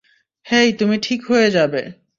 হেই, তুমি ঠিক হয়ে যাবে।